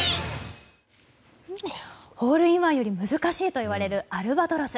ホールインワンより難しいといわれるアルバトロス。